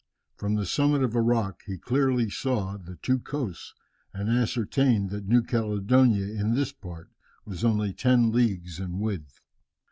From the summit of a rock he clearly saw the two coasts and ascertained that New Caledonia in this part was only ten leagues in width.